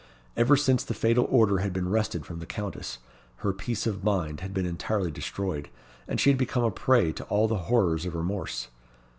Ever since the fatal order had been wrested from the Countess, her peace of mind had been entirely destroyed, and she had become a prey to all the horrors of remorse.